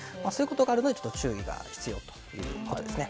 そういうことがあるので注意が必要ということですね。